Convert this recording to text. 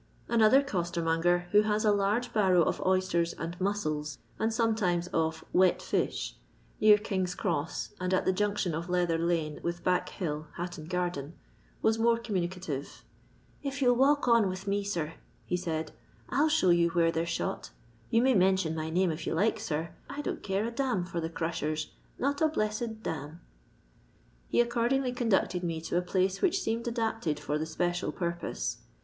Another costermonger who has a large barrow of oysters and musses, and sometimes of " wet fish" near King^s cross, and at the junction of Leather Ume with Back hill, Hatton garden, was more communicative :" If you 11 walk on with me, sir," he said, "V\X show you where they're shot Yon may mention my name if you like, sir ; I don't care a d for the crushers ; not a blessed d ." He accordingly conducted me to a place which seemed adapted for the special purpose.